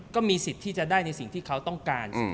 ก็มีสิทธิ์ที่จะได้ในสิ่งที่เขาต้องการ